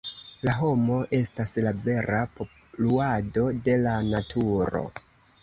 La homo estas la vera poluado de la naturo!